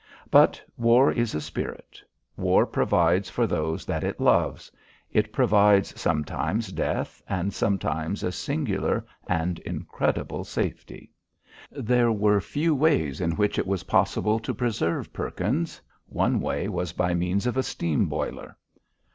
But war is a spirit. War provides for those that it loves. It provides sometimes death and sometimes a singular and incredible safety. There were few ways in which it was possible to preserve Perkins. One way was by means of a steam boiler.